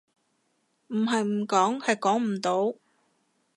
唔係唔溝，係溝唔到